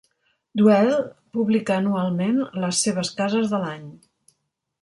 "Dwell" publica anualment les seves cases de l'any.